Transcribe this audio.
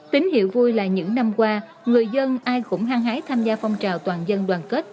tín hiệu vui là những năm qua người dân ai cũng hăng hái tham gia phong trào toàn dân đoàn kết